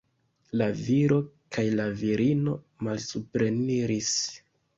La viro kaj la virino malsupreniris.